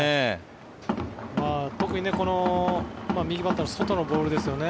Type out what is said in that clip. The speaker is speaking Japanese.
特に右バッターの外のボールですよね。